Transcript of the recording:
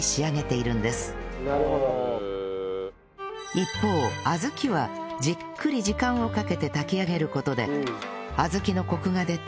一方小豆はじっくり時間をかけて炊き上げる事で小豆のコクが出て食感も均一になるというのです